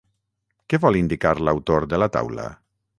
Què vol indicar l'autor de la taula?